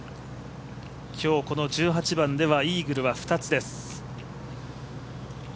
今日この１８番ではイーグルが２つです。